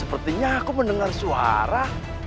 sepertinya aku mendengar suara